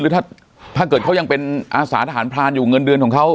ถ้าเกิดเขายังเป็นอาสาทหารพรานอยู่เงินเดือนของเขา